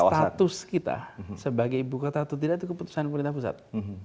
status kita sebagai ibu kota atau tidak itu keputusan pemerintah pusat